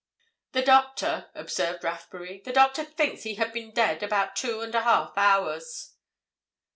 "The doctor," observed Rathbury, "the doctor thinks he had been dead about two and a half hours."